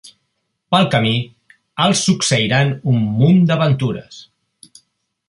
Pel camí, els succeiran un munt d'aventures.